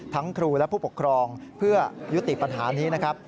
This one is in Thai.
ครูและผู้ปกครองเพื่อยุติปัญหานี้นะครับ